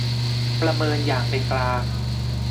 ประเมินอย่างเป็นกลาง